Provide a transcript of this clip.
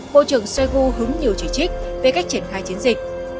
bộ trưởng shoigu hứng nhiều chỉ trích về cách triển khai chiến dịch